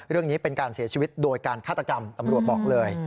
เรื่องนี้เป็นการเสียชีวิตโดยการฆาตกรรมตำรวจบอกเลย